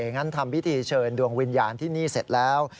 งั้นทำพิธีเชิญดวงวิญญาณที่นี่เสร็จแล้ว